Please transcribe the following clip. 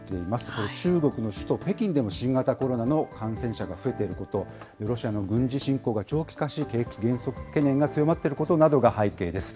これ、中国の首都北京でも新型コロナの感染者が増えていること、ロシアの軍事侵攻が長期化し、景気減速懸念が強まっていることなどが背景です。